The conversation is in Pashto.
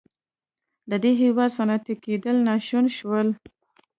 د دې هېواد صنعتي کېدل ناشون شول.